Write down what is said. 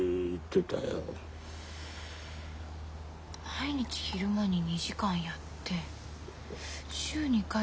毎日昼間に２時間やって週２回夜やって。